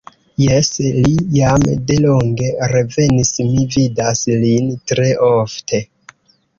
Jes, li jam de longe revenis; mi vidas lin tre ofte.